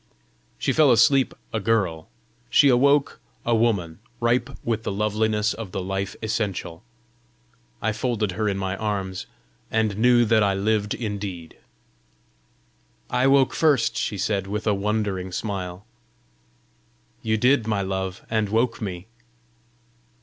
She fell asleep a girl; she awoke a woman, ripe with the loveliness of the life essential. I folded her in my arms, and knew that I lived indeed. "I woke first!" she said, with a wondering smile. "You did, my love, and woke me!"